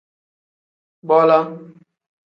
Bola.